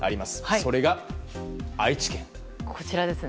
それが愛知県。